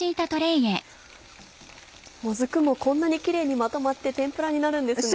もずくもこんなにキレイにまとまって天ぷらになるんですね。